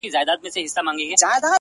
موږ ته تر سهاره چپه خوله ناست وي.